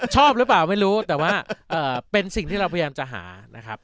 ชอบหรือเปล่าไม่รู้แต่ว่าเป็นสิ่งที่เราพยายามจะหานะครับ